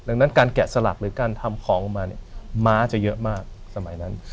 ดังนั้นการแกะสลักหรือการทำของออกมาเนี่ยม้าจะเยอะมากสมัยนั้น